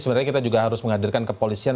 sebenarnya kita juga harus menghadirkan kepolisian